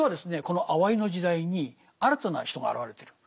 このあわいの時代に新たな人が現れてる。